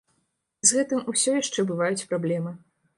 І з гэтым усё яшчэ бываюць праблемы.